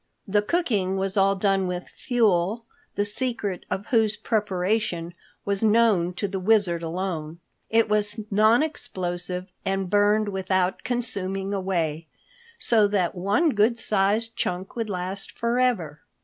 The cooking was all done with fuel, the secret of whose preparation was known to the Wizard alone. It was non explosive and burned without consuming away, so that one good sized chunk would last forever.